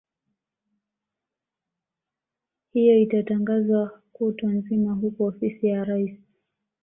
hiyo itatangazwa kutwa nzima huku ofisi ya rais